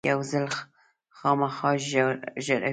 یو ځل خامخا ژړوي .